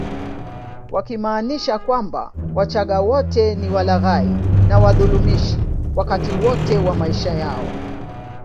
Wakimaanisha kwamba wachaga wote ni walaghai na wadhulumishi wakati wote wa maisha yao